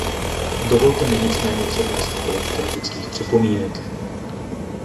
Dovolte mi nicméně přednést několik kritických připomínek.